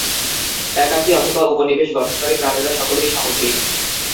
একাকী অথবা উপনিবেশ গঠনকারী প্রাণীরা সকলেই সামুদ্রিক।